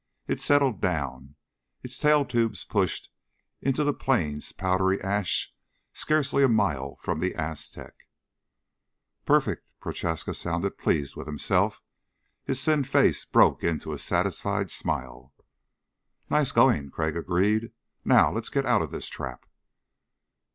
It settled down, its tail tubes pushed into the plain's powdery ash scarcely a mile from the Aztec. "Perfect." Prochaska sounded pleased with himself. His thin face broke into a satisfied smile. "Nice going," Crag agreed. "Now let's get out of this trap."